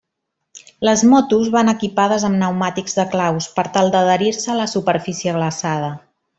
Les motos van equipades amb pneumàtics de claus per tal d'adherir-se a la superfície glaçada.